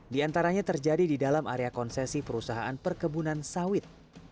di antaranya terjadi di dalam area konsesi perusahaan perkebunan sawit